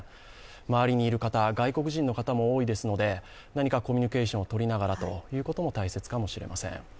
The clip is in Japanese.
周りにいる方、外国人の方も多いですので、コミュニケーションをとりながらということも大切かもしれません。